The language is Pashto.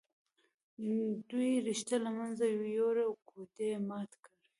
دوی رشته له منځه ويوړه او کوژده یې ماته کړه